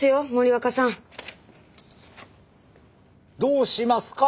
どうしますか？